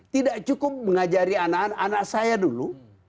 tidak cukup mengajari anak anak saya dulu